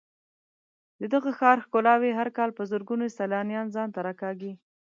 د دغه ښار ښکلاوې هر کال په زرګونو سېلانیان ځان ته راکاږي.